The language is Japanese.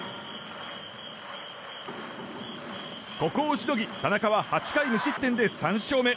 ここをしのぎ田中は８回無失点で３勝目。